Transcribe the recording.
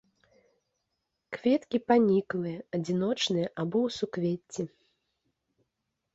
Кветкі паніклыя, адзіночныя або ў суквецці.